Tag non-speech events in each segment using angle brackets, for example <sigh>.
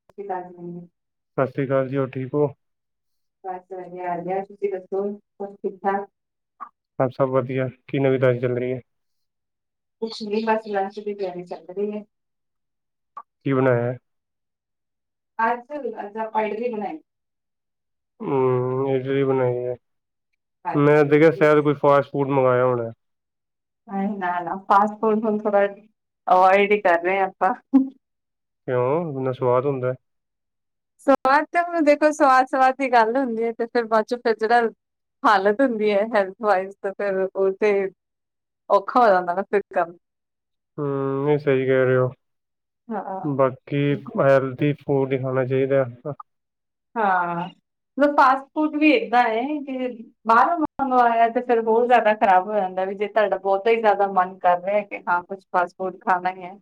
<unintelligible> ਸਸਰੀਕਾਲ ਜੀ। ਹੋਰ ਠੀਕ ਓ? ਬਸ ਵਧੀਆ- ਵਧੀਆ। ਤੁਸੀਂ ਦੱਸੋ? ਹੋਰ ਠੀਕ-ਠਾਕ। ਸਭ ਵਧੀਆ। ਕੀ ਨਵੀ- ਤਾਜੀ ਚੱਲ ਰੀ ਏ? ਕੁਛ ਨੀ। ਬਸ ਲੰਚ ਦੀ ਤਿਆਰੀ ਚਲ ਰੀ ਏ। ਕੀ ਬਣਾਇਆ? ਅੱਜ। ਅੱਜ ਆਪਾਂ ਇਡਲੀ ਬਣਾਈ। ਹੂ ਇਡਲੀ ਬਣਾਈ ਏ। ਮੈਂ ਹਾਂਜੀ ਤੇ ਕਿਆ ਬਿਲਕੁਲ। ਸੈਦ ਕੋਈ ਫਾਸਟ-ਫੂਡ ਮੰਗਾਇਆ ਹੋਣੇ ਨਾ- ਨਾ। ਫਾਸਟ-ਫੂਡ ਹੁਣ ਥੋੜਾ ਅਵੋਇਡ ਈ ਕਰ ਰੇ ਆਂ ਆਪਾਂ। ਕਿਉਂ ਇੰਨਾ ਸਵਾਦ ਹੁੰਦੇ। ਸਵਾਦ ਤਾਂ। ਹੁਣ ਦੇਖੋ ਸਵਾਦ-ਸਵਾਦ ਦੀ ਗੱਲ ਹੁੰਦੀ ਏ। ਤੇ ਫਿਰ ਬਾਦ ਚੋਂ ਫਿਰ ਜੇੜਾ ਹਾਲਤ ਹੁੰਦੀ ਹੈ। ਹੈਲਥ ਵਾਈਜ਼ ਤੇ ਫੇਰ ਉਹ ਤੇ ਔਖਾ ਹੋ ਜਾਂਦਾ ਨਾ ਫਿਰ ਕੰਮ। ਹੂ ਇਹ ਸਹੀ ਕਹਿ ਰਹੇ ਹੋ। ਹਾਂ ਬਾਕੀ ਹੈਲਦੀ ਫੂਡ ਹੈ ਖਾਣਾ ਚਾਇਦਾ <unintelligible> ਹਾਂ। ਮਤਲਬ ਫਾਸਟ ਫੂਡ ਵੀ ਏਦਾਂ ਏ ਕਿ ਬਾਹਰੋਂ ਮੰਗਵਾਇਆ। ਤੇ ਫਿਰ ਹੋਰ ਜ਼ਿਆਦਾ ਖ਼ਰਾਬ ਹੋ ਜਾਂਦਾ। ਵੀ ਜੇ ਤੁਹਾਡਾ ਬਹੁਤਾ ਹੀ ਜ਼ਿਆਦਾ ਮਨ ਕਰ ਰਿਹਾ। ਕਿ ਹਾਂ ਕੁੱਛ ਫਾਸਟ-ਫੂਡ ਖਾਣਾ ਈ ਏ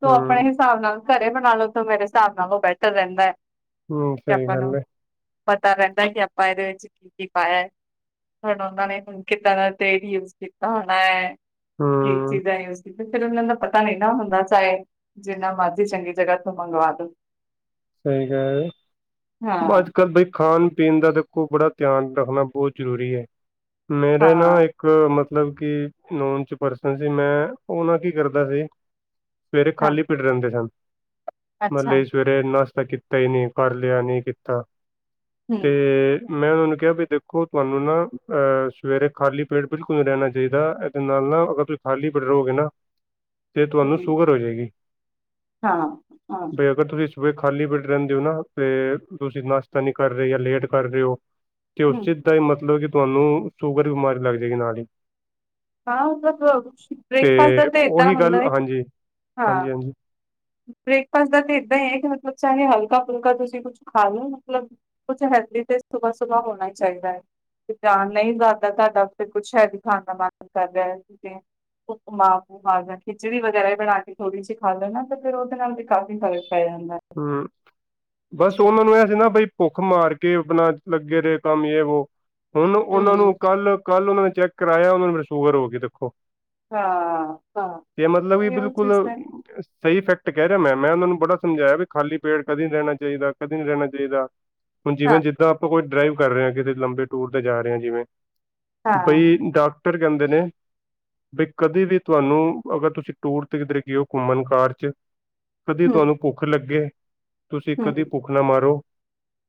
ਤੋ ਆਪਣੇ ਹਿਸਾਬ ਨਾਲ। ਘਰੇ ਬਣਾ ਲੋ ਤਾਂ। ਮੇਰੇ ਹਿਸਾਬ ਨਾਲ ਉਹ ਬੈਟਰ ਰਹਿੰਦਾ ਏ। ਹਮ ਤੇ ਸਹੀ ਆਪਾਂ ਗੱਲ ਨੂੰ ਹੈ ਪਤਾ ਰੈਂਦਾ। ਕਿ ਆਪਾਂ ਇਦੇ ਵਿੱਚ ਕੀ ਪਾਇਆ ਏ? ਹੁਣ ਉਨਾਂ ਨੇ। ਹੁਣ ਕਿੱਦਾਂ ਦਾ ਤੇਲ ਯੂਜ ਕੀਤਾ ਹੋਣਾ ਏ। ਹੂ। ਕੀ ਚੀਜ਼ਾਂ ਯੂਜ ਕੀਤੀ। ਫਿਰ ਉਨਾਂ ਦਾ ਪਤਾ ਨੀ ਨਾ ਹੁੰਦਾ ਚਾਹੇ ਜਿੰਨਾ ਮਰਜ਼ੀ ਚੰਗੀ ਜਗ੍ਹਾ ਤੋ ਮੰਗਵਾ ਦੋ। ਸਹੀ ਕਹਿ ਰਹੇ ਹੋ। ਬਸ ਹਾਂ ਅੱਜ-ਕੱਲ੍ ਬਈ ਖਾਣ ਪੀਣ ਦਾ ਤਾਂ ਕੋ ਬੜਾ ਧਿਆਨ ਰੱਖਣਾ ਬਹੁਤ ਜ਼ਰੂਰੀ ਏ। ਮੇਰੇ ਨਾ ਹਾਂ ਇੱਕ ਹਾਂ ਮਤਲਬ ਕਿ ਨੋਨ ਚ ਪਰਸਨ ਸੀ ਮੈਂ ਉਹ ਨਾ ਕੀ ਕਰਦਾ ਸੀ। ਸਵੇਰੇ ਹਾਂ ਖਾਲੀ ਪੇਟ ਰਹਿੰਦੇ ਸਨ <inaudible> ਅੱਛਾ ਮਤਲਬ ਕਿ ਸਵੇਰੇ ਨਾਸ਼ਤਾ ਕੀਤਾ ਹੀ ਨਹੀਂ ਪੜ ਲਿਆ ਨੀ ਕੀਤਾ <inaudible> ਤੇ ਹਮ ਮੈਂ ਉਹਨਾਂ ਨੂੰ ਕਿਹਾ ਵੀ ਦੇਖੋ ਤੁਹਾਨੂੰ ਨਾਂ ਅ ਸਵੇਰੇ ਖਾਲੀ ਪੇਟ ਬਿਲਕੁਲ ਨਹੀਂ ਰਹਿਣਾ ਚਾਹੀਦਾ। ਤੇ ਨਾਲ-ਨਾਲ ਨਾਂ ਅਗਰ ਤੁਸੀਂ ਖਾਲੀ ਪੇਟ ਰਹੋਗੇ ਨਾਂ ਤੇ ਤੁਹਾਨੂੰ ਹਮ ਸ਼ੂਗਰ ਹੋ ਜਾਏਗੀ ਹਾਂ ਹਾਂ <inaudible> ਬ ਅਗਰ ਤੁਸੀਂ ਸੁਬਹ ਖਾਲੀ ਪੇਟ ਰਹਿੰਦੇ ਹੋ ਨਾਂ ਤੇ ਤੁਸੀਂ ਨਾਸ਼ਤਾ ਨੀ ਕਰ ਰਹੇ ਜਾਂ ਲੇਟ ਕਰ ਰਹੇ ਹੋ ਤੇ ਉਸ ਹੂੰ ਚੀਜ਼ ਦਾ ਹੀ ਮਤਲਬ ਕਿ ਤੁਹਾਨੂੰ ਸ਼ੂਗਰ ਦੀ ਬਿਮਾਰੀ ਲੱਗ ਜਾਏਗੀ ਨਾਲ ਹੀ ਹਾਂ ਮਤਲਬ ਤੇ ਬ੍ਰੇਕਫਾਸਟ ਦਾ ਤੇ ਏਦਾਂ ਉਹੀ ਗੱਲ ਹੁੰਦਾ ਹੈ ਕਿ ਹਾਂ ਹਾਂਜੀ-ਹਾਂਜੀ-ਹਾਂਜੀ ਬ੍ਰੇਕਫਾਸਟ ਦਾ ਤਾਂ ਏਦਾਂ ਹੀ ਹੈ ਕਿ ਮਤਲਬ ਚਾਹੇ ਹਲਕਾ ਫੁਲਕਾ ਤੁਸੀਂ ਕੁਛ ਖਾ ਲਓ ਮਤਲਬ ਕੁਝ ਹੈਲਦੀ ਤੇ ਸੁਬਾਹ-ਸੁਬਾਹ ਹੋਣਾ ਚਾਹੀਦਾ ਹੈ। ਜਾਣ ਨਹੀਂ ਜਾਂਦਾ ਤੁਹਾਡਾ ਉਤੇ ਕੁੱਛ ਹੈਵੀ ਖਾਣ ਦਾ ਮਨ ਕਰ ਰਿਹਾ ਏ ਤੇ ਉਪਮਾਂ ਖਿਚੜੀ ਵਗੈਰਾ ਵੀ ਬਣਾ ਕੇ ਥੋੜੀ ਜੀ ਖਾ ਲੈਨਾਂ ਫਿਰ ਉਹਦੇ ਨਾਲ ਵੀ ਕਾਫ਼ੀ ਫਰਕ ਪੈ ਜਾਂਦਾ ਹੈ। ਹੂੰ ਬਸ ਉਹਨਾਂ ਨੂੰ ਇਹ ਸੀ ਨਾਂ ਬਈ ਭੁੱਖ ਮਾਰ ਕੇ ਆਪਣਾ ਲੱਗੇ ਰਹੇ ਕੰਮ ਯਾ ਵੋ ਹੁਣ ਉਹਨਾਂ ਨੂੰ ਹੂੰ ਕੱਲ, ਕੱਲ ਉਹਨਾਂ ਨੇ ਚੈੱਕ ਕਰਾਇਆ ਉਹਨਾਂ ਨੂੰ ਸ਼ੂਗਰ ਹੋ ਗਈ ਦੇਖੋ। ਹਾਂ ਹਾਂ ਤੇ ਮਤਲਬ ਵੀ ਇਹ ਉਹ ਬਿਲਕੁਲ ਚੀਜ਼ ਤਾਂ ਸਹੀ ਇਫੈਕਟ ਕਹਿ ਰਿਹਾ ਮੈਂ-ਮੈਂ ਉਹਨਾਂ ਨੂੰ ਬੜਾ ਸਮਝਾਇਆ ਵੀ ਖਾਲੀ ਪੇਟ ਕਦੇ ਨੀ ਰਹਿਣਾ ਚਾਹੀਦਾ, ਕਦੀ ਨੀ ਰਹਿਣਾ ਚਾਹੀਦਾ <inaudible> ਹੁਣ ਜਿਵੇਂ ਹਾਂ ਜਿੱਦਾਂ ਆਪਾਂ ਕੋਈ ਡਰਾਈਵ ਕਰ ਰਹੇ ਕਿਤੇ ਲੰਬੇ ਟੂਰ ਤੇ ਜਾ ਰਹੇ ਆ ਜਿਵੇਂ <inaudible> ਹਾਂ ਬਈ ਡਾਕਟਰ ਕਹਿੰਦੇ ਨੇਂ ਬ ਕਦੇ ਵੀ ਤੁਹਾਨੂੰ ਅਗਰ ਤੁਸੀਂ ਟੂਰ ਤੇ ਕਿਧਰੇ ਗਏ ਹੋ ਘੁੰਮਣ ਕਾਰ 'ਚ ਕਦੀ ਹੂੰ ਤੁਹਾਨੂੰ ਭੁੱਖ ਲੱਗੇ <inaudible> ਤੁਸੀਂ ਕਦੀ ਹੂੰ ਭੁੱਖ ਨਾ ਮਾਰੋ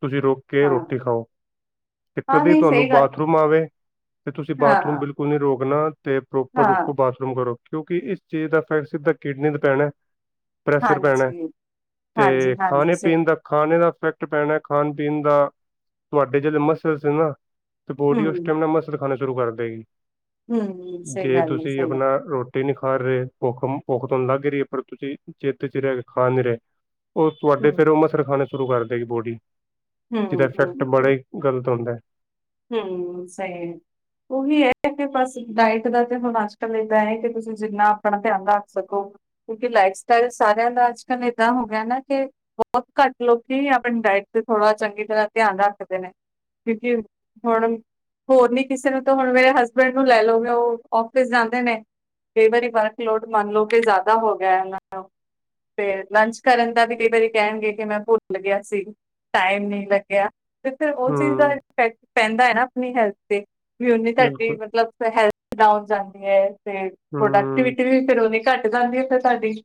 ਤੁਸੀਂ ਰੋਕ ਕੇ ਹਾਂ ਰੋਟੀ ਖਾਓ <inaudible> ਤੇ ਹਾਂ ਕਦੇ ਨਹੀਂ ਸਹੀ ਤੁਹਾਨੂੰ ਗੱਲ ਬਾਥਰੂਮ ਆਵੇ ਤੇ ਤੁਸੀਂ ਬਾਥਰੂਮ ਹਾਂ ਬਿਲਕੁਲ ਰੋਕਣਾ ਤੇ ਪ੍ਰੋਪਰ ਹਾਂ ਰੁਕੋ ਬਾਥਰੂਮ ਕਰੋ ਕਿਉਂਕਿ ਇਸ ਚੀਜ਼ ਦਾ ਇਫੈਕਟ ਸਿੱਧਾ ਕਿਡਨੀ ਨੂੰ ਪੈਣਾ। ਪ੍ਰੈਸ਼ਰ ਪੈਣਾ ਹਾਂਜੀ ਤੇ ਹਾਂਜੀ ਹਾਂਜੀ ਖਾਣੇ ਸਹੀ ਪੀਣ ਦਾ ਖਾਣੇ ਦਾ ਇਫੈਕਟ ਪੈਣਾ ਖਾਣ ਪੀਣ ਦਾ ਤੁਹਾਡੇ ਜਿਹੜੇ ਮਸਲ ਸੀ ਨਾਂ ਤੇ ਬੋਡੀ ਉਸ ਹੂੰ ਟੈਮ ਨਾਂ ਮਸਲ ਖਾਣਾ ਸ਼ੁਰੂ ਕਰ ਦੇਗੀ ਹੂੰ <inaudible> ਸਹੀ ਜੇ ਗੱਲ ਹੈ ਤੁਸੀਂ ਸਹੀ ਗੱਲ ਆਪਣਾ ਰੋ ਰੋਟੀ ਨੀ ਖਾ ਰਹੇ ਭੁੱਖ-ਭੁੱਖ ਤੁਹਾਨੂੰ ਲੱਗ ਹੀ ਰਹੀ ਹੈ। ਪਰ ਤੁਸੀਂ ਚੇਤੇ ਚਿਰ ਕੇ ਖਾ ਨੀਂ ਰਹੇ। ਉਹ ਤੁਹਾਡੇ ਫਿਰ ਹੂੰ ਉਹ ਮਸਲ ਖਾਣੇ ਸ਼ੁਰੂ ਕਰਦੇਗੀ ਬੋਡੀ <inaudible> ਜਿਹਦਾ ਹੂੰ ਇਫੈਕਟ ਬੜਾ ਹੂੰ ਹੀ ਗਲਤ ਹੁੰਦਾ। ਹੂੰ ਸਹੀ ਉਹੀ ਹੈ ਕਿ ਬਸ ਡਾਇਟ ਦਾ ਤੇ ਹੁਣ ਅੱਜ-ਕੱਲ੍ਹ ਇੱਦਾਂ ਹੈ ਕਿ ਤੁਸੀਂ ਜਿੰਨਾ ਆਪਣਾ ਧਿਆਨ ਰੱਖ ਸਕੋ। ਕਿਉਂਕਿ ਲਾਈਫ ਸਟਾਈਲ ਸਾਰਿਆਂ ਦਾ ਅੱਜ-ਕੱਲ੍ਹ ਏਦਾਂ ਹੋ ਗਿਆ ਨਾਂ ਕਿ ਬਹੁਤ ਘੱਟ ਲੋਕੀ ਆਪਣੀ ਡਾਇਟ ਤੇ ਥੋੜਾ ਚੰਗੀ ਤਰ੍ਹਾਂ ਧਿਆਨ ਰੱਖਦੇ ਨੇ ਕਿਉਂਕਿ ਹੁਣ ਹੋਰ ਨੀਂ ਕਿਸੇ ਨੂੰ ਤਾਂ ਹੁਣ ਮੇਰੇ ਹਸਬੈਂਡ ਨੂੰ ਲੈ, ਲਓ ਉਹ ਆਫਿਸ ਜਾਂਦੇ ਨੇ ਕਈ ਵਾਰੀ ਵਰਕਲੋਡ ਮੰਨ ਲਓ ਕਿ ਜ਼ਿਆਦਾ ਹੋ ਗਿਆ ਹਨਾਂ। ਤੇ ਲੰਚ ਕਰਨ ਦਾ ਵੀ ਕਈ ਵਾਰੀ ਕਹਿਣਗੇ ਕਿ ਮੈਂ ਭੁੱਲ ਗਿਆ ਸੀ। ਟਾਈਮ ਨਹੀਂ ਲੱਗਿਆ ਤੇ ਫਿਰ ਉਹ ਚੀਜ਼ ਦਾ ਹੂੰ ਇਫੈਕਟ ਪੈਂਦਾ ਹੈ ਨਾਂ ਆਪਣੀ ਹੈਲਥ ਤੇ ਵੀ ਉਨੀ ਤੁਹਾਡੀ ਬਿਲਕੁਲ ਮਤਲਬ ਹੈਲਥ ਡਾਊਨ ਜਾਂਦੀ ਹੈ ਤੇ ਹੂੰ ਪ੍ਰੋਡਕਟੀਵਿਟੀ ਵੀ ਫਿਰ ਉਨੀਂ ਘੱਟ ਜਾਂਦੀ ਆ ਫਿਰ ਤੁਹਾਡੀ।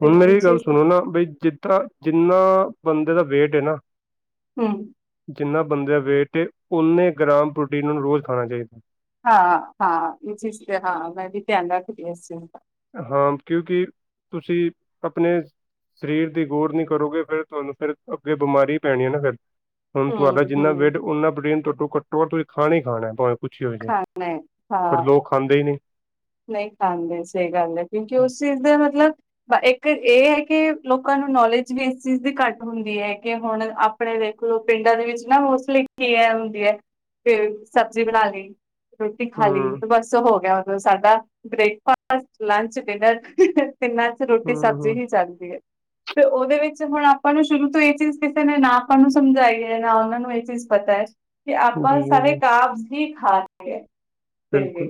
ਤੇ ਹੁਣ ਉਹ ਮੇਰੀ ਗੱਲ ਚੀਜ਼ ਸੁਣੋ ਨਾਂ ਬਈ ਜਿਸ ਤਰਾਂ ਜਿੰਨਾਂ ਬੰਦੇ ਦਾ ਵੇਟ ਹੈ ਨਾਂ ਹੂੰ ਜਿੰਨਾਂ ਬੰਦੇ ਦਾ ਵੇਟ ਏ ਓਨੇ ਗ੍ਰਾਮ ਪ੍ਰੋਟੀਨ ਉਹਨੂੰ ਰੋਜ਼ ਖਾਣਾ ਚਾਹੀਦਾ। ਹਾਂ-ਹਾਂ ਇਹ ਚੀਜ਼ ਤੇ ਹਾਂ ਮੈਂ ਵੀ ਧਿਆਨ ਰੱਖਦੀ ਹਾਂ ਇਸ ਚੀਜ਼ ਦਾ ਹਾਂ ਕਿਉਂਕਿ <inaudible> ਤੁਸੀਂ <inaudible> ਆਪਨੇ ਸਰੀਰ ਦੀ ਗੋਰ ਨੀਂ ਕਰੋਗੇ ਫਿਰ, ਤੁਹਾਨੂੰ ਫਿਰ ਅੱਗੇ ਬਿਮਾਰੀ ਪੈਣੀ ਏ ਨਾਂ ਫਿਰ। ਹੁਣ ਤੁਹਾਡਾ ਹੂੰ ਜਿੰਨਾ ਹੂੰ ਵੇਟ ਉਨਾ ਪ੍ਰੋਟੀਨ ਘੱਟੋ-ਘੱਟੋ ਤੁਸੀਂ ਖਾਣਾ ਹੀ ਖਾਣਾ ਭਵੇਂ ਕੁਛ ਹੀ ਜਾਏ ਖਾਣਾ ਹੈ ਪਰ ਹਾਂ। ਲੋਕ ਖਾਂਦੇ ਨੀ ਨੇ। ਨਹੀਂ ਖਾਂਦੇ ਸਹੀ ਗੱਲ ਏ, ਕਿਉਂਕਿ ਉਸ ਚੀਜ਼ ਦੇ ਮਤਲਬ ਇੱਕ ਇਹ ਹੈ ਕਿ, ਲੋਕਾਂ ਨੂੰ ਨੌਲੇਜ ਵੀ ਇਸ ਚੀਜ਼ ਦੀ ਘੱਟ ਹੁੰਦੀ ਏ ਕਿ ਹੁਣ ਆਪ ਆਪਣੇ ਦੇਖ ਲਓ ਪਿੰਡਾਂ ਦੇ ਵਿੱਚ ਨਾ ਮੋਸਟਲੀ ਇਕ ਚੀਜ ਏ ਹੁੰਦੀ ਏ, ਕੇ ਸਬਜ਼ੀ ਬਣਾ ਲਈ। ਰੋਟੀ ਖਾ ਲਈ ਹੂੰ ਬਸ ਹੋ ਗਿਆ। ਮਤਲਬ ਸਾਡਾ ਬ੍ਰੇਕਫਾਸਟ, ਲੰਚ, ਡਿਨਰ, ਤਿੰਨਾਂ ਰੋਟੀ ਹੂੰ ਸਬਜ਼ੀ ਹੂੰ ਹੀ ਚੱਲਦੀ ਏ। ਤੇ ਉਹਦੇ ਵਿੱਚ ਹੁਣ ਆਪਾਂ ਨੂੰ ਸ਼ੁਰੂ ਤੋਂ ਇਹ ਚੀਜ਼ ਕਿਸੇ ਨੇ ਨਾ ਆਪਾਂ ਨੂੰ ਸਮਝਾਈ ਹੈ, ਨਾ ਉਹਨਾਂ ਨੂੰ ਇਹ ਚੀਜ਼ ਪਤਾ ਹੈ। ਕਿ ਆਪਾਂ ਜੀ ਜੀ ਸਾਰੇ ਜੀ, ਕਾਬਜ਼ ਹੀ ਖਾਤੇ ਹੈ। ਬਿਲਕੁਲ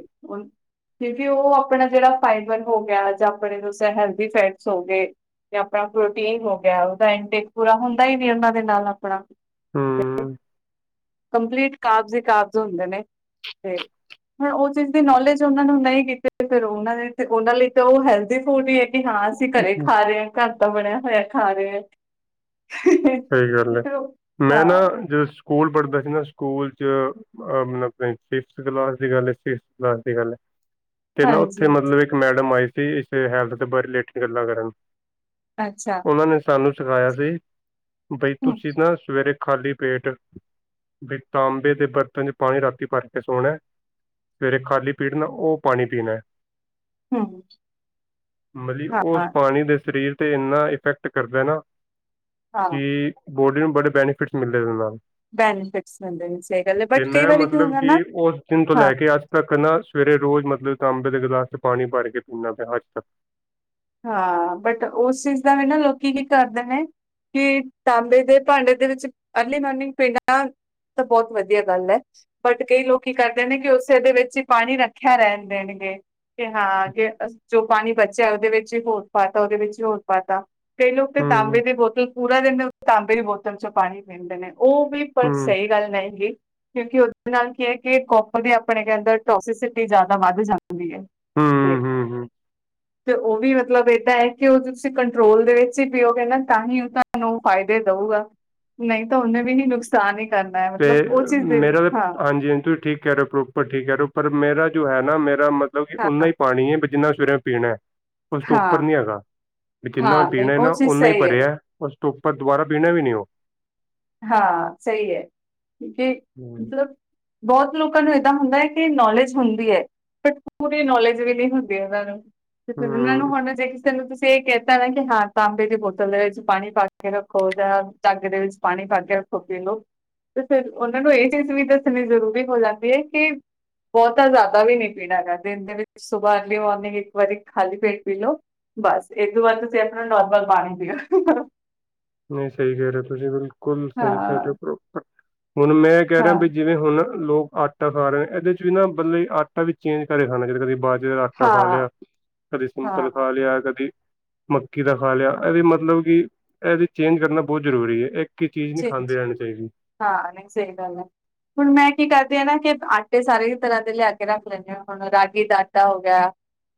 ਕਿਉਂਕਿ ਉ ਆਪਣਾ ਜਿਹੜਾ ਫਾਈਬਰ ਹੋ ਗਿਆ ਜਾਂ ਆਪਣੇ ਦ ਹੈਲਦੀ ਫੈਟਸ ਹੋ ਗਏ। ਤੇ ਆਪਣਾ ਪ੍ਰੋਟੀਨ ਹੋ ਗਿਆ, ਉਹਦਾ ਇਨਟੇਕ ਪੂਰਾ ਹੁੰਦਾ ਹੀ ਨ ਉਹਨਾਂ ਦੇ ਨਾਲ ਆਪਣਾ। ਹੂੰ। ਕੰਪਲੀਟ ਕਾਬਜ਼ੀ-ਕਾਬਜ਼ ਹੁੰਦੇ ਨੇ ਹੁਣ ਉਹ ਚੀਜ਼ ਦੀ ਨੌਲੇਜ ਉਹਨਾਂ ਨੂੰ ਨਹੀਂ ਗੀ ਫੇਰ ਉਹ ਨੇ ਉਹਨਾਂ ਲਈ ਤਾਂ ਉਹ ਹੈਲਦੀ ਫੂਡ ਏ। ਕਿ ਹਾਂ ਅਸੀਂ ਘਰੇ ਹੂੰ, ਖਾ ਰਹੇ ਹਾਂ, ਘਰ ਤਾਂ ਬਣਿਆ ਹੋਇਆ ਖਾ ਰਹੇ ਹਾ। ਸਹੀ ਗੱਲ ਏ, ਮੈਂ ਨਾ ਹਾਂ ਜਦੋਂ ਸਕੂਲ ਪੜ੍ਹਦਾ ਸੀ ਨਾ ਸਕੂਲ 'ਚ ਆ ਮੈਨੂੰ ਲੱਗਦਾ ਸਿਕਸ ਕਲਾਸ ਦੀ- ਸਿਕਸ ਕਲਾਸ ਦੀ ਗੱਲ ਐ ਤੇ ਨਾ ਉੱਥੇ ਹਾਂਜੀ ਮਤਲਬ ਇੱਕ ਮੈਡਮ ਆਈ ਸੀ, ਇਸ ਹੈਲਥ ਦੇ ਬਾਰੇ ਰਿਲੇਟਿਡ ਗੱਲਾਂ ਕਰਨ। ਅੱਛਾ। ਉਹਨਾਂ ਨੇ ਸਾਨੂੰ ਸਿਖਾਇਆ ਸੀ, ਬਈ ਹਮ ਤੁਸੀਂ ਨਾ ਸਵੇਰੇ ਖਾਲੀ ਪੇਟ ਬੀ ਤਾਂਬੇ ਦੇ ਬਰਤਨ ਚ ਪਾਣੀ ਰਾਤੀ ਭਰ ਕੇ ਸੋਣਾ ਏ। ਸਵੇਰੇ ਖਾਲੀ ਪੇਟ ਨਾ ਉ ਪਾਣੀ ਪੀਣਾ। ਹਮ ਮਤਲਬ ਹਾਂ ਉਸ ਪਾਣੀ ਦੇ ਸਰੀਰ ਤੇ ਇੰਨਾ ਇਫੈਕਟ ਕਰਦਾ ਨਾ ਹਾਂ ਕਿ ਬੋਡੀ ਨੂੰ ਬੜੇ ਬੈਨੀਫਿਟਸ ਮਿਲਦੇ ਇਹਦੇ ਨਾਲ। ਬੈਨੀਫਿਟਸ ਮਿਲਦੇ ਨੇ ਸਹੀ ਗੱਲ ਹੈ ਤੇ ਬਟ ਕਈ ਮੈਂ ਵਾਰੀ ਕੀ ਮਤਲਬ ਹੁੰਦਾ ਕਿ ਨਾ ਉਸ ਦਿਨ ਤੋਂ ਹਾਂ ਲੈ ਕੇ ਅੱਜ ਤੱਕ ਨਾ ਸਵੇਰੇ ਰੋਜ਼ ਮਤਲਬ ਤਾਂਬੇ ਦੇ ਗਲਾਸ ਚ ਪਾਣੀ ਭਰ ਕੇ ਪੀਂਣਾ ਪਿਆ ਅੱਜ ਤੱਕ ਹਾਂ, ਬਟ ਉਸ ਚੀਜ਼ ਦਾ ਵੀ ਨਾ ਲੋਕੀ ਕੀ ਕਰਦੇ ਨੇ ਕਿ ਤਾਂਬੇ ਦੇ ਭਾਂਡੇ ਦੇ ਵਿੱਚ ਅਰਲੀ ਮੋਰਨਿੰਗ ਪੀੜ ਨਾਲ ਏ ਤਾਂ ਬਹੁਤ ਵਧੀਆ ਗੱਲ ਏ। ਬਟ ਕਈ ਲੋਕ ਕੀ ਕਰਦੇ ਨੇ ਕਿ ਉਸੇ ਦੇ ਵਿੱਚ ਹੀ ਪਾਣੀ ਰੱਖਿਆ ਰਹਿਣ ਦੇਣਗੇ। ਕਿ ਹਾਂ ਕਿ ਜੋ ਪਾਣੀ ਬਚਿਆ ਉਹਦੇ ਵਿੱਚ ਹੋਰ ਪਾਤਾ ਉਹਦੇ ਵਿੱਚ ਹੋਰ ਪਾਤਾ ਕਈ ਲੋਕ ਤੇ ਹੂੰ, ਤਾਂਬੇ ਦੀ ਬੋਤਲ ਚ ਪੂਰਾ ਦਿਨ ਤਾਂਬੇ ਦੀ ਬੋਤਲ ਚੋਂ ਪਾਣੀ ਪੀਂਦੇ ਨੇ, ਉਹ ਵੀ ਪਰ ਹੂੰ, ਹੂੰ, ਸਹੀ ਗੱਲ ਨਹੀਂਗੀ ਕਿਉਂਕਿ ਉਹਦੇ ਨਾਲ ਕੀ ਹੈ, ਕਿ ਕੋਪਰ ਦੀ ਆਪਣੇ ਕ ਟੋਸੀਸਿਟੀ ਜਿਆਦਾ ਵੱਧ ਜਾਂਦੀ ਏ। <inaudible> ਤੇ ਹੂੰ, ਹੂੰ <inaudible> ਤੇ ਉਹ ਵੀ ਮਤਲਬ ਏਦਾਂ ਹੈ, ਕਿ ਉ ਤੁਸੀਂ ਕੰਟਰੋਲ ਦੇ ਵਿੱਚ ਹੀ ਪੀਓਗੇ ਨਾ ਤਾਂ ਹੀ ਤੁਹਾਨੂੰ ਫਾਇਦੇ ਦਊਗਾ। ਨਹੀਂ ਤਾਂ ਉਹਨੇ ਵੀ ਨ ਨੁਕਸ ਸਾਨ ਹੀ ਕਰਨਾ ਏ ਤੇ ਮੇਰਾ ਤਾਂ ਹਾਂਜੀ-ਹਾਂਜੀ ਤੁਸੀਂ ਠੀਕ ਕਹਿ ਰਹੇ ਹੋ ਪ੍ਰ ਠੀਕ ਹੈੋ ਪਰ ਮੇਰਾ ਜੋ ਹੈ ਨਾ ਮੇਰਾ ਮਤਲਬ ਕਿ ਉਨਾ ਹਾਂ, ਹੀ ਪਾਣੀ ਹੈ ਵੀ ਜਿੰਨਾ ਮੈ ਸਵੇਰੇ ਪੀਣਾ। ਉਸ ਤੋਂ ਉਪਰ ਹਾਂ, ਨੀ ਹੈਗਾ, ਜਿੰਨਾ ਮੈਂ ਹਾਂ ਨਹੀਂ ਪੀਣਾ ਉਹ ਨਾ ਚੀਜ਼ ਓਨਾ ਹੀ ਸਹੀ ਹੈ ਭਰਿਆ। ਉਸ ਤੋ ਉਪਰ ਦੁਬਾਰਾ ਪੀਣਾ ਵੀ ਨੀ ਉ ਹਾਂ ਸਈ ਐ, ਕਿਓਕਿ ਹੂੰ, ਮਤਲਬ ਬੋਤ ਲੋਕਾਂ ਨੂੰ ਏਦਾਂ ਹੁੰਦੈ ਐ ਕਿ ਨੌਲੇਜ ਹੁੰਦੀ ਐ। ਬਟ ਪੂਰੀ ਨੌਲੇਜ ਵੀ ਨੀ ਹੁੰਦੀ ਓਨਾਂ ਨੂੰ ਤੇ ਫੇਰ ਓਨਾਂ ਨੂੰ ਹੂੰ, ਹੁਨ ਜੇ ਕਿਸੇ ਨੂੰ ਤੇ ਕੈਤਾ ਨਾ ਕਿ ਹਾਂ ਤਾਂਬੇ ਦੀ ਬੋਤਲ ਦੇ ਵਿੱਚ ਪਾਣੀ ਪਾ ਕੇ ਰੱਖੋ ਜਾਂ ਜੱਗ ਦੇ ਵਿੱਚ ਪਾਣੀ ਪਾਕੇ ਰੱਖੋ, ਪੀਲੋ। ਤੇ ਫੇਰ ਓਨਾਂ ਨੂੰ ਏ ਚੀਜ਼ ਵੀ ਦੱਸਣੀ ਜ਼ਰੂਰੀ ਹੋ ਜਾਂਦੀ ਐ ਕਿ ਬੋਤਾ ਜਾਦਾ ਵੀ ਨਈ ਪੀਣਾ ਗਾ ਦਿਨ ਦੇ ਵਿੱਚ ਸੁਬਾਹ ਅਰਲੀ ਮੋਰਨਿੰਗ ਇੱਕ ਵਾਰੀ ਖਾਲੀ ਪੇਟ ਪੀ ਲਓ। ਬਸ ਇਦੂ ਬਾਦ ਤੁਸੀਂ ਆਪਣਾ ਨੌਰਮਲ ਪਾਣੀ ਪੀਣਾ। ਨਈ ਸਈ ਕੈ ਰਏ ਓ ਤੁਸੀਂ ਬਿਲਕੁਲ ਸਈ ਕੈ ਰਏ ਓ ਹਾਂ ਪ੍ਰੋਪਰ, ਹੁਨ ਮੈਂ ਕੈਅ ਰਿਆ ਹਾਂ ਵੀ ਜਿਵੇਂ ਹੁਨ ਲੋਕ ਆਟਾ ਖਾ ਰਏ ਏਦੇ ਚ ਵੀ ਨਾ ਬੱਲੀ ਆਟਾ ਵੀ ਚੇਂਜ ਕਰਕੇ ਖਾਂਦੇ ਨੇ ਕਦੀ ਬਾ ਕਈ ਬਾਰ ਆਟਾ ਖਾ ਹਾਂ ਲਿਆ ਕਦੀ ਸਿੰਪਲ ਹਾਂ ਖਾ ਲਿਆ ਕਦੀ ਮੱਕੀ ਦਾ ਖਾ ਲਿਆ ਏਦੇ ਮਤਲਬ ਇਹਦੇ ਚੇਂਜ ਕਰਨਾ ਬੋਤ ਜ਼ਰੂਰੀ ਹੈ ਇੱਕ ਇਕ ਈ ਚੀਜ਼ ਨੀ ਜੀ ਖਾਂਦੇ ਜੀ। ਰੈਨੈ ਚਾਈਦੀ। ਹਾਂ, ਨਈ ਸਈ ਗੱਲ ਐ। ਹੁਣ ਮੈਂ ਕੀ ਕਰਦੀ ਆਂ ਨਾ ਕਿ ਆਟੇ ਸਾਰੇ ਤਰਾਂ ਦੇ ਲਿਆ ਕੇ ਰੱਖ ਲੈਂਨੇ ਆਂ ਹੁਨ ਰਾਗੀ ਦਾ ਆਟਾ ਹੋ ਗਿਆ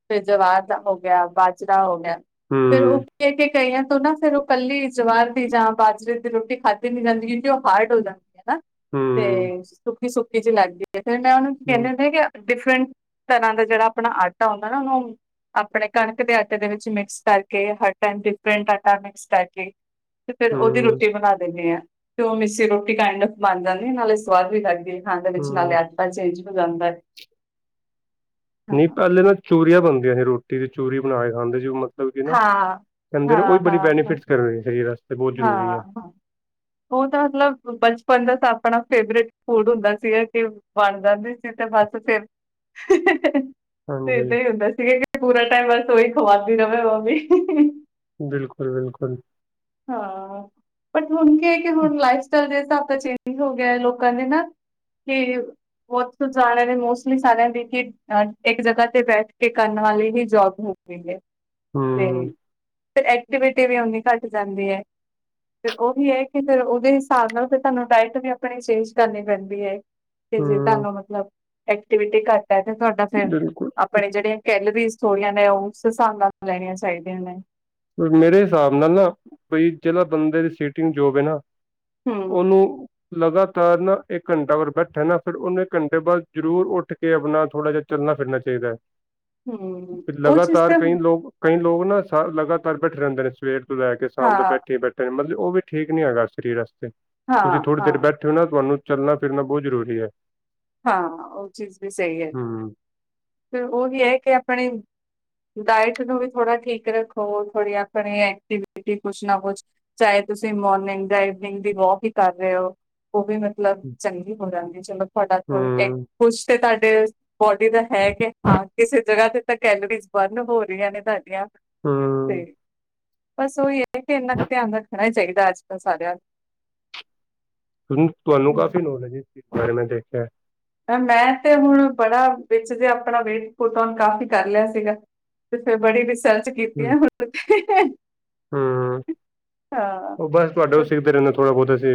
ਫੇਰ ਜਵਾਰ ਦਾ ਹੋ ਗਿਆ, ਬਾਜਰਾ ਹੋ ਗਿਆ। ਹੂੰ। ਓ ਕ ਕੇ ਕਈਆਂ ਤ ਨਾ ਫੇਰ ਓ ਕੱਲੀ ਜਵਾਰ ਦੀ ਜਾਂ ਬਾਜਰੇ ਦੀ ਰੋਟੀ ਖਾਦੀ ਨੀ ਜਾਂਦੀ ਕਿਓਕਿ ਓ ਹਾਰਡ ਹੋ ਜਾਂਦੀ ਆ ਨਾ। ਹੂੰ ਤੇ ਸੁੱਕੀ-ਸੁੱਕੀ ਚ ਲੱਗਦੀ ਫੇਰ ਮੈਂ ਓਨੂੰ ਕੀ ਕੈਨੀ ਹੂੰ ਹੁੰਨੀ ਆ ਕਿ ਡਿਫਰੈਂਟ ਤਰਾਂ ਦਾ ਜੇੜਾ ਆਪਨਾ ਆਟਾ ਹੁੰਦਾ ਨਾ ਓਨੂੰ ਆਪਨੇ ਕਣਕ ਦੇ ਆਟੇ ਦੇ ਵਿੱਚ ਮਿਕਸ ਕਰਕੇ ਹਰ ਟੈਮ ਡਿਫਰੈਂਟ ਆਟਾ ਮਿਕਸ ਕਰਕੇ ਤੇ ਫੇਰ ਓਦੀ ਹੂੰ ਰੋਟੀ ਬਨਾ ਦਿੰਨੇ ਆ। ਤੇ ਓ ਮਿੱਸੀ ਰੋਟੀ ਕਾਇੰਡਫ ਬਨ ਜਾਂਦੀ ਨਾਲੇ ਸਵਾਦ ਵੀ ਲੱਗਦੀ ਐ ਖਾਨ ਦੇ ਵਿਚ ਨਾਲੇ ਆਟਾ ਚੇਂਜ ਹੋ ਜਾਂਦੈ। <inaudible> ਨਈਂ ਪੈਲੇ ਨਾ ਚੂਰੀਆਂ ਬਨਦੀਆਂ ਸੀ ਰੋਟੀ ਦੀ ਚੂਰੀ ਬਨਾ ਕੇ ਖਾਂਦੇ ਸੀ ਹੁਨ ਮਤਲਬ ਕਿ ਨਾ, ਕੈਦੇ ਨੇ ਓਈ ਹਾਂ ਬੜੀ ਹਾਂ ਬੈਨੀਫਿਟਸ ਕਰ ਰਏ ਸਰੀਰ ਆਸਤੇ ਬੋਤ ਜ਼ਰੂਰੀ ਐ। ਓ ਤਾਂ ਮਤਲਬ ਬਚਪਨ ਦਾ ਤਾਂ ਆਪਨਾ ਫੇਵਰੇਟ ਫੂਡ ਹੁੰਦਾ ਸੀਗਾ ਕਿ ਬਣ ਜਾਂਦੀ ਸੀ ਤੇ ਬਸ ਫੇਰ ਹਾਂਜੀ ਫੇਰ ਤੇ ਏਈ ਹੁੰਦਾ ਸੀਗਾ ਕਿ ਪੂਰਾ ਟੈਮ ਬਸ ਓਈ ਖਵਾਂਦੀ ਰਵੇ ਮੰਮੀ। ਬਿਲਕੁਲ-ਬਿਲਕੁਲ। ਹਾਂ, ਬਟ ਹੁਨ ਕੀ ਹੈ ਕਿ ਹੁਨ ਲਾਈਫ ਸਟਾਈਲ ਦੇ ਹਿਸਾਬ ਦਾ ਚੇਂਜ ਹੋ ਗਿਆ ਲੋਕਾਂ ਦੇ ਨਾ ਕੀ, ਬੋਥ ਤਾਂ ਜਾਨੇਆਂ ਨੇ ਮੋਸਟਲੀ ਸਾਰੇਆਂ ਦੇ ਕਿ ਅ ਇੱਕ ਜਗਾ ਤੇ ਬੈਠ ਕੇ ਕਰਨ ਵਾਲੀ ਹੀ ਜੋਬ ਹੋ ਗਈ ਐ। ਤੇ ਹੂੰ ਫੇਰ ਐਕਟੀਵਿਟੀ ਵੀ ਓਨੀ ਘੱਟ ਜਾਂਦੀ ਐ। ਫੇਰ ਓਹੀ ਹੈ ਕਿ ਫੇਰ ਓਦੇ ਹਿਸਾਬ ਨਾਲ ਫੇਰ ਤੁਆਨੂੰ ਡਾਇਟ ਵੀ ਆਪਣੀ ਚੇਂਜ ਕਰਨੀ ਪੈਂਦੀ ਹੈ। ਤੇ ਜੇ ਹੂੰ ਤੁਆਨੂੰ ਮਤਲਬ ਐਕਟੀਵਿਟੀ ਘੱਟ ਐ ਤੇ ਤੁਆਡਾ ਫੇਰ ਬਿਲਕੁਲ ਆਪਨੇ ਜੇੜੇ ਗੈਲਰੀਜ਼ ਥੋੜੀਆਂ ਨੇ ਓਸ ਹਿਸਾਬ ਨਾਲ ਲੈਨੀਆਂ ਚਾਈਦੀਆਂ ਨੇ। ਮੇਰੇ ਹਿਸਾਬ ਨਾਲ ਨਾ ਬਈ ਜੈੜਾ ਬੰਦੇ ਦੀ ਸੀਟਿੰਗ ਜੋਬ ਐ ਨਾ ਹੂੰ, ਓਨੂੰ ਲਗਾਤਾਰ ਨਾ ਇੱਕ ਘੰਟਾ ਅਗਰ ਬੈਠਾ ਨਾ ਫੇਰ ਓਨੇ ਘੰਟੇ ਬਾਦ ਜ਼ਰੂਰ ਓਠ ਕੇ ਆਪਨਾ ਥੋੜਾ ਜਾ ਚੱਲਨਾ ਫਿਰਨਾ ਚਾਈਦਾ ਐ, ਹੂੰ ਫਿਰ ਉਹ ਚੀਜ਼ ਲਗਾਤਾਰ ਤਾਂ ਕਈ ਲੋਕ ਕਈ ਲੋਕ ਨਾ ਸਰ ਲਗਾਤਾਰ ਬੈਠੇ ਰੈਂਦੇ ਨੇ ਸਵੇਰ ਤੋਂ ਲੈ ਕੇ ਸ਼ਾਮ ਤੋਂ ਹਾਂ, ਬੈਠੇ-ਬੈਠੇ ਮਤਲਬ ਓ ਵੀ ਠੀਕ ਨੀ ਹੈਗਾ ਸਰੀਰ ਆਸਤੇ ਤੁਸੀਂ ਹਾਂ, ਥੋੜੀ ਦੇਰ ਹਾਂ, ਬੈਠ ਕਿਓ ਨਾ ਤੁਆਨੂੰ ਚੱਲਨਾ ਫਿਰਨਾ ਬੋਤ ਜ਼ਰੂਰੀ ਐ। ਹਾਂ, ਉਹ ਚੀਜ਼ ਵੀ ਸਈ ਐ, ਹੂੰ। ਫੇਰ ਉਹ ਵੀ ਐ ਕਿ ਆਪਣੇ ਡਾਇਟ ਨੂੰ ਵੀ ਥੋੜਾ ਠੀਕ ਰੱਖੋ, ਥੋੜ੍ਹੀ ਆਪਣੇ ਐਕਟੀਵਿਟੀ ਕੁਛ ਨਾ ਕੁਛ ਚਾਏ ਤੁਸੀਂ ਮੋਰਨਿੰਗ ਡਾਈਟਨਿੰਗ ਦੀ ਵੋਕ ਈ ਕਰ ਰਏ ਔ। ਉਹ ਵੀ ਮਤਲਬ ਚੰਗੀ ਹੋ ਜਾਂਦੀ ਚਲੋ ਤੁਹਾਡਾ ਹੂੰ ਕੁਛ ਤੇ ਤੁਹਾਡੇ ਬੋਡੀ ਦਾ ਹੈ ਕਿ ਹਾਂ ਕਿਸੇ ਜਗ੍ਹਾ ਤੇ ਤਾਂ ਕੈਲਰੀਜ਼ ਬੰਨ ਹੋ ਰਹੀਆਂ ਨੇ ਤੁਹਾਡੀਆਂ। ਤੇ ਬਸ ਉਹੀ ਐ ਕਿ ਇੰਨਾ ਕੁ ਧਿਆਨ ਰੱਖਣਾ ਹੀ ਚਾਈਦਾ ਅੱਜਕੱਲ ਸਾਰਿਆਂ ਨੂੰ। ਤੁਹਾਨੂੰ ਨੂੰ ਕਾਫ਼ੀ ਨੌਲੇਜ ਇਸ ਬਾਰੇ ਮੈਂ ਦੇਖਿਐ। ਮੈਂ ਤੇ ਹੁਣ ਬੜਾ ਵਿੱਚ ਜੇ ਆਪਣਾ ਵੇਟ ਪੁਟ ਔਨ ਕਾਫ਼ੀ ਕਰ ਲਿਆ ਸੀਗਾ। ਤੇ ਬੜੀ ਰਿਸਰਚ ਕੀਤੀ ਹੂੰ। ਐ ਹੁਣ ਤੇ। ਹੂੰ, ਹਾਂ। ਉਹ ਬਸ ਤੁਹਾਡੇ ਤੋਂ ਸਿਖਦੇ ਰੇਨੇ ਥੋੜਾ ਬੋਤ ਅਸੀ।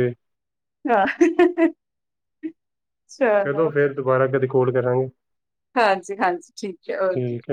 ਆਹ। ਚਲੋ, ਫੇਰ ਦੁਬਾਰਾ ਕਦੀ ਕੋਲ ਕਰਾਂਗੇ। ਹਾਂਜੀ-ਹਾਂਜੀ, ਠੀਕ ਐ ਓਕੇ। ਠੀਕ ਹੈ